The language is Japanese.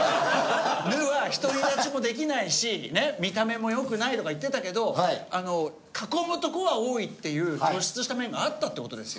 「ぬ」は独り立ちもできないし見た目も良くないとか言ってたけど囲むとこは多いっていう突出した面があったって事ですよ。